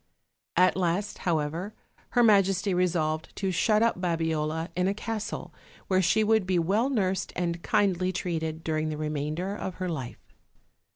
At last, however, her majesty resolved to shut up Babiola in a castle, where she would be well nursed and kindly treated during the remainder of her life.